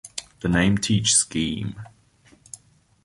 The name TeachScheme!